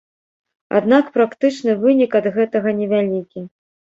Аднак практычны вынік ад гэтага невялікі.